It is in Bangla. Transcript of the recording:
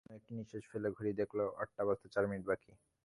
রানু একটি নিশ্বাস ফেলে ঘড়ি দেখল, আটটা বাজতে চার মিনিট বাকি।